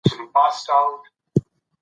که ماشوم ستونزه لري، آرامه مرسته ورته وکړئ.